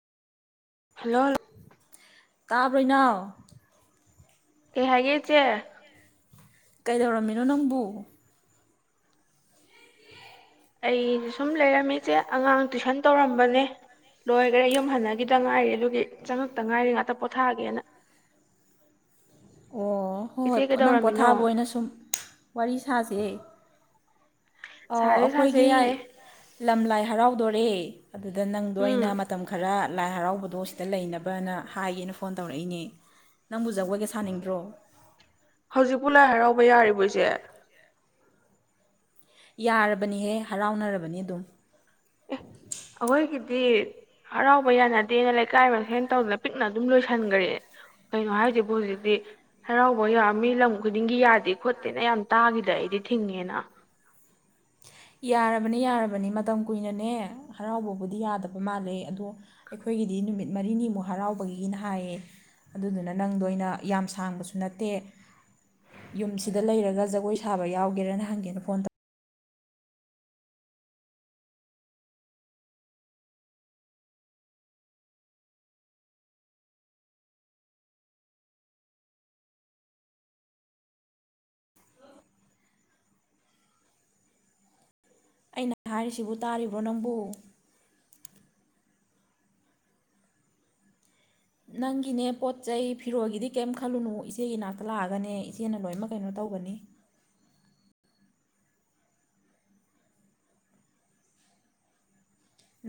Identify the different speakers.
Speaker 1: hello
Speaker 2: ꯇꯥꯕ꯭ꯔꯣ ꯏꯅꯥꯎ
Speaker 1: ꯀꯩ ꯍꯥꯏꯒꯦ ꯏꯆꯦ
Speaker 2: ꯀꯩꯗꯧꯔꯝꯃꯤꯅꯣ ꯅꯪꯕꯨ
Speaker 1: ꯑꯩ ꯁꯨꯝ ꯂꯩꯔꯝꯃꯤ ꯏꯆꯦ ꯑꯉꯥꯡ ꯇꯨꯏꯁꯟ ꯇꯧꯔꯝꯕꯅꯦ ꯂꯣꯏꯒꯔꯦ ꯌꯨꯝ ꯍꯥꯟꯅꯒꯤꯗ ꯉꯥꯏꯔꯤ ꯑꯗꯨꯒꯤ ꯆꯪꯉꯛꯇ ꯉꯥꯏꯔꯤ ꯉꯥꯛꯇ ꯄꯣꯊꯥꯒꯦꯅ
Speaker 2: ꯑꯣ ꯍꯣꯏ
Speaker 1: ꯏꯆꯦ
Speaker 2: ꯄꯣꯠ ꯅꯪ
Speaker 1: ꯀꯩꯗꯧꯔꯝꯃꯤꯅꯣ
Speaker 2: ꯄꯣꯊꯥꯕ ꯑꯣꯏꯅ ꯁꯨꯝ ꯋꯥꯔꯤ ꯁꯥꯥꯁꯦ ꯑꯧ
Speaker 1: ꯁꯥꯁꯦ ꯁꯥꯁꯦ
Speaker 2: ꯑꯈꯣꯏꯒꯤ
Speaker 1: ꯌꯥꯏꯌꯦ
Speaker 2: ꯂꯝ ꯂꯥꯏ ꯍꯔꯥꯎꯗꯣꯔꯦ ꯑꯗꯨꯗ ꯅꯪꯗꯣ
Speaker 1: ꯎꯝ
Speaker 2: ꯑꯩꯅ ꯃꯇꯝ ꯈꯔ ꯂꯥꯏ ꯍꯔꯥꯎꯕꯗꯣ ꯁꯤꯗ ꯂꯩꯅꯕꯅ ꯍꯥꯏꯒꯦꯅ ꯐꯣꯟ ꯇꯧꯔꯛꯏꯅꯦ ꯅꯪꯕꯨ ꯖꯒꯣꯏꯒ ꯁꯥꯅꯤꯡꯗ꯭ꯔꯣ
Speaker 1: ꯍꯧꯖꯤꯛꯄꯨ ꯂꯥꯏ ꯍꯔꯥꯎꯕ ꯌꯥꯔꯤꯕꯣ ꯏꯆꯦ
Speaker 2: ꯌꯥꯔꯕꯅꯤꯍꯦ ꯍꯔꯥꯎꯅꯔꯕꯅꯤ ꯑꯗꯨꯝ
Speaker 1: ꯑꯩꯈꯣꯏꯒꯤꯗꯤ ꯍꯔꯥꯎꯕ ꯌꯥꯅꯗꯦꯅ ꯂꯩꯀꯥꯏ ꯃꯁꯦꯟ ꯇꯧꯗꯅ ꯄꯤꯛꯅ ꯑꯗꯨꯝ ꯂꯣꯏꯁꯟꯒ꯭ꯔꯦ ꯀꯩꯅꯣ ꯍꯥꯏꯖꯤꯕꯨ ꯍꯧꯖꯤꯛꯇꯤ ꯍꯔꯥꯎꯕ ꯌꯥ ꯃꯤ ꯂꯝ ꯈꯨꯗꯤꯡꯒꯤ ꯌꯥꯗꯦ ꯈꯣꯠꯇꯦꯅ ꯌꯥꯝ ꯇꯥꯒꯤꯗ ꯑꯩꯗꯤ ꯊꯤꯡꯉꯦꯅ
Speaker 2: ꯌꯥꯔꯕꯅꯤ ꯌꯥꯔꯕꯅꯤ ꯃꯇꯝ ꯀꯨꯏꯅꯅꯦ ꯍꯔꯥꯎꯕꯕꯨꯗꯤ ꯌꯥꯗꯕ ꯃꯥꯜꯂꯦ ꯑꯗꯣ ꯑꯩꯈꯣꯏꯒꯤꯗꯤ ꯅꯨꯃꯤꯠ ꯃꯔꯤꯅꯤꯃꯨꯛ ꯍꯔꯥꯎꯕꯒꯤꯅ ꯍꯥꯏꯌꯦ ꯑꯗꯨꯗꯨꯅ ꯅꯪꯗꯣ ꯑꯩꯅ ꯌꯥꯝ ꯁꯥꯡꯕꯁꯨ ꯅꯠꯇꯦ ꯌꯨꯝꯁꯤꯗ ꯂꯩꯔꯒ ꯖꯒꯣꯏ ꯁꯥꯕ ꯌꯥꯎꯒꯦꯔꯅ ꯍꯪꯒꯦꯅ ꯐꯣꯟ ꯇꯧ ꯑꯩꯅ ꯍꯥꯏꯔꯤꯁꯤꯕꯨ ꯇꯥꯔꯤꯕ꯭ꯔꯣ ꯅꯪꯕꯨ ꯅꯪꯒꯤꯅꯦ ꯄꯣꯠ ꯆꯩ ꯐꯤꯔꯣꯜꯒꯤꯗꯤ ꯀꯩꯝ ꯈꯜꯂꯨꯅꯨ ꯏꯆꯦꯒꯤ ꯅꯥꯛꯇ ꯂꯥꯛꯑꯒꯅꯦ ꯏꯆꯦꯅ ꯂꯣꯏꯅꯃꯛ ꯀꯩꯅꯣ ꯇꯧꯒꯅꯤ